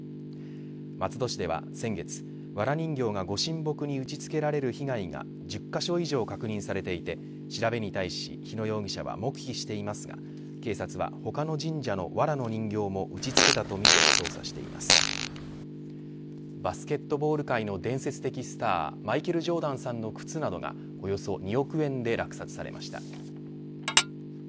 松戸市では先月、わら人形がご神木に打ち付けられる被害が１０カ所以上確認されていて調べに対し日野容疑者は黙秘していますが警察では、他の神社のわらの人形も打ち付けたとみてバスケットボール界の伝説的スターマイケル・ジョーダンさんの靴などがおよそ２億円で落札されました。